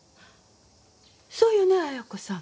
そうよね亜矢子さん。